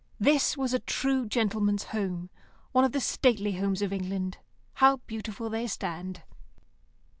This was a true gentleman's home, one of the stately homes of England, how beautiful they stand.